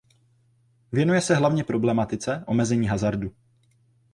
Věnuje se hlavně problematice omezení hazardu.